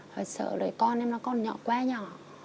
rồi sợ đời con em nó còn nhỏ quá nhỏ